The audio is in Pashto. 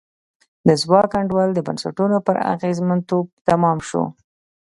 د ځواک انډول د بنسټونو پر اغېزمنتوب تمام شو.